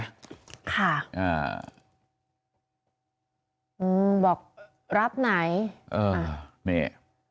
ค่ะบอกรับไหนเออนี่